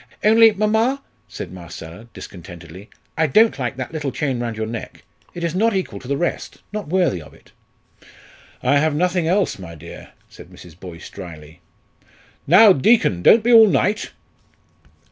"Only, mamma," said Marcella, discontentedly, "I don't like that little chain round your neck. It is not equal to the rest, not worthy of it." "I have nothing else, my dear," said Mrs. Boyce, drily. "Now, Deacon, don't be all night!"